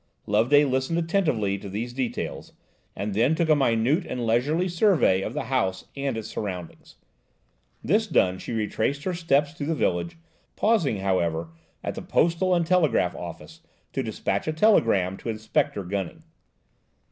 Loveday listened attentively to these details, and then took a minute and leisurely survey of the house and its surroundings. This done, she retraced her steps through the village, pausing, however, at the "Postal and Telegraph Office" to dispatch a telegram to Inspector Gunning.